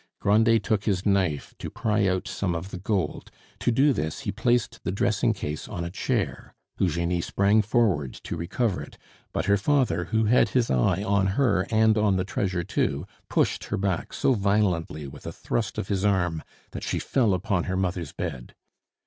Grandet took his knife to pry out some of the gold; to do this, he placed the dressing case on a chair. Eugenie sprang forward to recover it; but her father, who had his eye on her and on the treasure too, pushed her back so violently with a thrust of his arm that she fell upon her mother's bed.